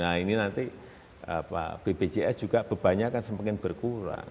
nah ini nanti bpjs juga bebannya akan semakin berkurang